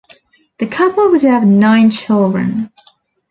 The couple would have nine children.